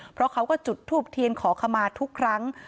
เพราะเขาก็จุดทูบเทียนขอขมาทุกครั้ง